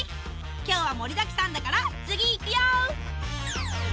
今日は盛りだくさんだから次行くよさて。